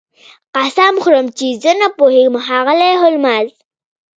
قسم خورم چې زه نه پوهیږم ښاغلی هولمز